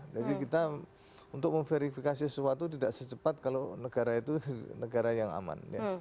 jadi kita untuk memverifikasi sesuatu tidak secepat kalau negara itu negara yang aman